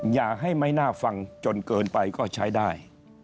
อย่าให้ไม่น่าฟังจนเกินไปก็ใช้ได้